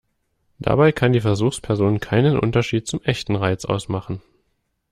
Dabei kann die Versuchsperson keinen Unterschied zum echten Reiz ausmachen.